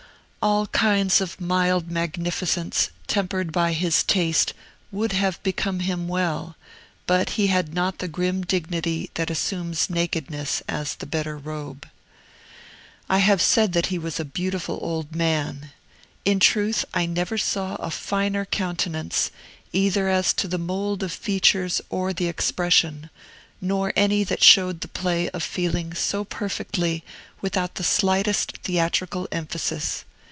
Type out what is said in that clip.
All kinds of mild magnificence, tempered by his taste, would have become him well; but he had not the grim dignity that assumes nakedness as the better robe. I have said that he was a beautiful old man. In truth, I never saw a finer countenance, either as to the mould of features or the expression, nor any that showed the play of feeling so perfectly without the slightest theatrical emphasis.